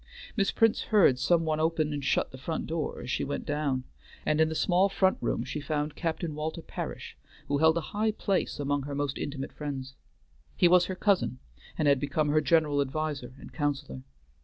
Miss Prince heard some one open and shut the front door as she went down, and in the small front room she found Captain Walter Parish, who held a high place among her most intimate friends. He was her cousin, and had become her general adviser and counselor.